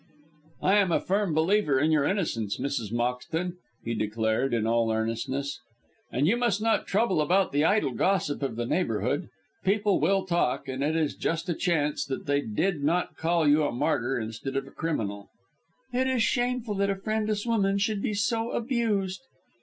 "I am a firm believer in your innocence, Mrs. Moxton," he declared, in all earnestness, "and you must not trouble about the idle gossip of the neighbourhood. People will talk, and it is just a chance that they did not call you a martyr instead of a criminal." "It is shameful that a friendless woman should be so abused!"